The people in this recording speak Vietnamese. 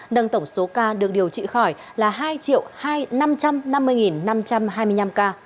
nâng tổng số ca được điều trị khỏi là hai năm trăm năm mươi năm trăm hai mươi năm ca